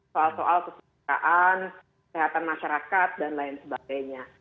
soal soal kesejahteraan kesehatan masyarakat dan lain sebagainya